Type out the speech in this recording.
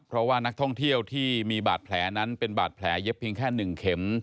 เพราะว่านักท่องเที่ยวที่มีบาดแผลนั้นเป็นบาดแผลเย็บเพียงแค่๑เข็ม